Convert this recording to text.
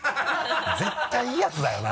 絶対いいやつだよな。